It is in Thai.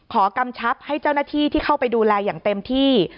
กำชับให้เจ้าหน้าที่ที่เข้าไปดูแลอย่างเต็มที่